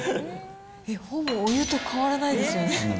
ほぼお湯と変わらないですよね。